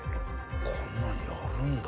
こんなのやるんだ。